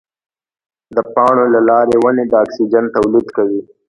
د پاڼو له لارې ونې د اکسیجن تولید کوي.